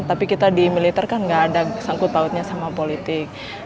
tapi kita di militer kan nggak ada sangkut pautnya sama politik